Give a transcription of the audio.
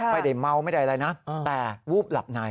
ไม่ได้เมาไม่ได้อะไรนะแต่วูบหลับใน